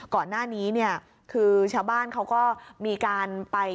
ก่อนหน้านี้เนี่ยคือชาวบ้านเขาก็มีการไป